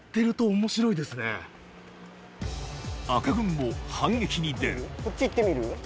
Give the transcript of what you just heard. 赤軍も反撃に出るこっち行ってみる？